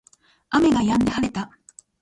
雨が止んで晴れた